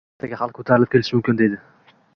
ertaga xalq ko‘tarilib ketishi mumkin», deydi.